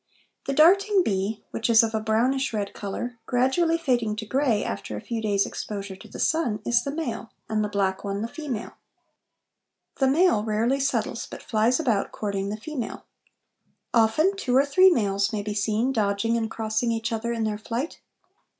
The darting bee, which is of a brownish red colour, gradually fading to grey after a few days' exposure to the sun, is the male, and the black one the female. The male rarely settles, but flies about courting the female. Often two or three males may be seen dodging and crossing each other in their flight.